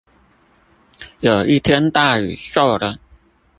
有一天大雨驟冷